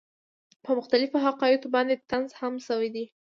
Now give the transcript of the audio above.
پۀ مختلفو حقائقو باندې طنز هم شوے دے،